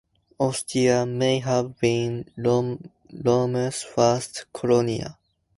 Ostia may have been Rome's first "colonia".